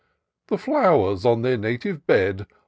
The flowers, on their native bed.